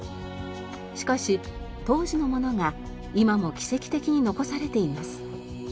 しかし当時のものが今も奇跡的に残されています。